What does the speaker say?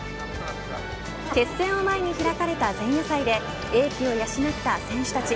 決戦を前に開かれた前夜祭で英気を養った選手たち。